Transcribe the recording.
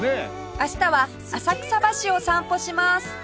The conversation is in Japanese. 明日は浅草橋を散歩します